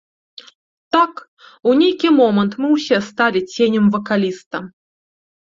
Так, у нейкі момант мы ўсе сталі ценем вакаліста.